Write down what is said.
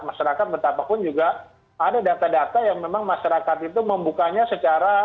masyarakat betapapun juga ada data data yang memang masyarakat itu membukanya secara